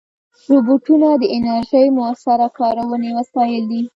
روبوټونه د انرژۍ مؤثره کارونې وسایل دي.